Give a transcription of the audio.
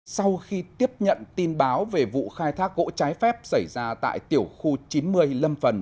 sau khi tiếp nhận tin báo về vụ khai thác gỗ trái phép xảy ra tại tiểu khu chín mươi lâm phần